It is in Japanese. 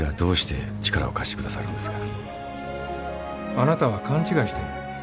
あなたは勘違いしてる。